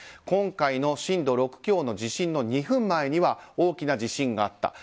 今回の震度６強の地震の２分前には大きな地震があった。